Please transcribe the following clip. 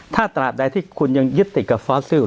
ถ้าตราบใดที่คุณยังยึดติดกับฟอสซิล